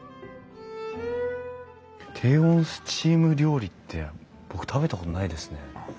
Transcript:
低温スチーム料理って僕食べたことないですね。